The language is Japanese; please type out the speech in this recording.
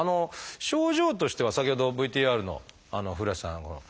症状としては先ほどＶＴＲの古橋さん